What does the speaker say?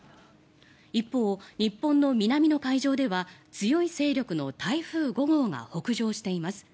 一方、日本の南の海上では強い勢力の台風５号が北上しています。